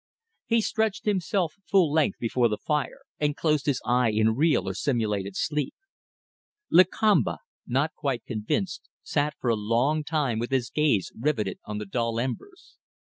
He stretched himself full length before the fire, and closed his eye in real or simulated sleep. Lakamba, not quite convinced, sat for a long time with his gaze riveted on the dull embers.